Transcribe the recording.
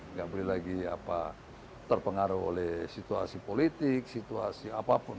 nggak boleh lagi terpengaruh oleh situasi politik situasi apapun